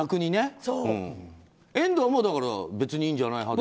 遠藤も別にいいんじゃないか派でしょ。